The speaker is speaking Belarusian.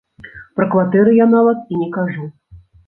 Пра кватэры я нават і не кажу.